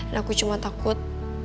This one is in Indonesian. dan aku cuma takut